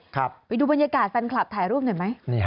ไปดูบรรยากาศแฟนคลับถ่ายรูปหน่อยไหม